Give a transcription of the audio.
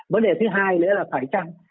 vấn đề thứ hai nữa là phải chăng